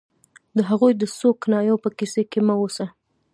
د هغوی د څو کنایو په کیسه کې مه اوسه